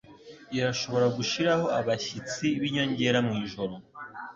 Urashobora gushiraho abashyitsi b'inyongera mwijoro